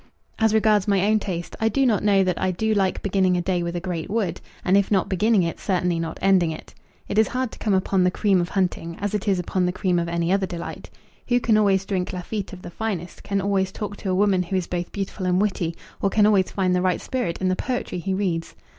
As regards my own taste, I do not know that I do like beginning a day with a great wood, and if not beginning it, certainly not ending it. It is hard to come upon the cream of hunting, as it is upon the cream of any other delight. Who can always drink Lafitte of the finest, can always talk to a woman who is both beautiful and witty, or can always find the right spirit in the poetry he reads?